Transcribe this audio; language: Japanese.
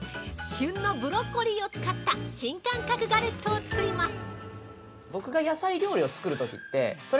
旬のブロッコリーを使った新感覚ガレットを作ります！